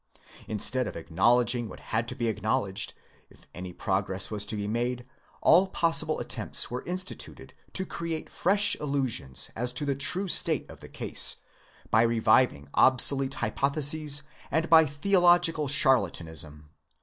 Instead of acknowledging what had to be acknowledged, if any progress was to be made, all possible attempts were instituted to create fresh illusions as to the true state of the case, by reviving obsolete hypotheses and by theological charlatanism.